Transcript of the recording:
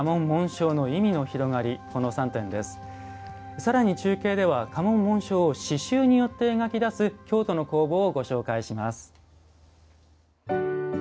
さらに中継では家紋・紋章を刺しゅうによって描き出す京都の工房をご紹介します。